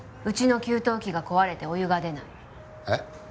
うちの給湯器が壊れてお湯が出ないえっ！？